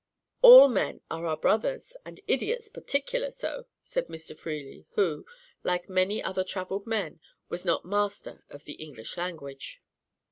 "All men are our brothers, and idiots particular so," said Mr. Freely, who, like many other travelled men, was not master of the English language.